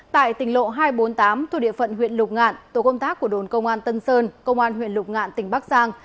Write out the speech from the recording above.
địa phận huyện lục ngạn tổ công tác của đồn công an tân sơn công an huyện lục ngạn tỉnh bắc giang